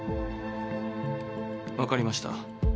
分かりました。